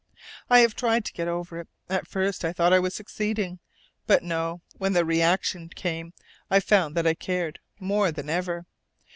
"I have tried to get over it. At first I thought I was succeeding. But no, when the reaction came, I found that I cared more than ever.